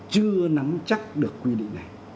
chưa nắm chắc được quy định này